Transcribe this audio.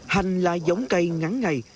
hành là giống cây ngắn ngày